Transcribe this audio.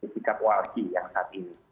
sikap walji yang saat ini